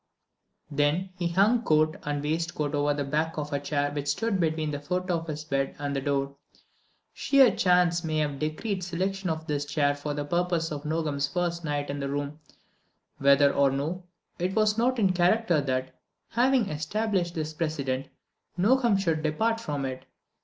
Then he hung coat and waistcoat over the back of a chair which stood between the foot of his bed and the door. Sheer chance may have decreed selection of this chair for the purpose on Nogam's first night in the room; whether or no, it was not in character that, having established this precedent, Nogam should depart from it.